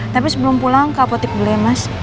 tapi sebelum pulang ke apotip dulu ya mas